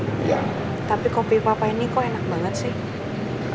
iya tapi kopi papa ini kok enak banget sih